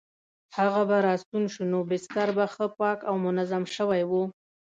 هغه به راستون شو نو بستر به ښه پاک او منظم شوی وو.